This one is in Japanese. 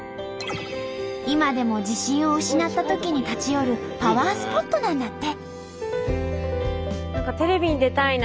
今でも自信を失ったときに立ち寄るパワースポットなんだって。